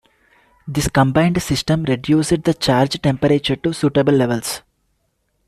This combined system reduced the charge temperature to suitable levels.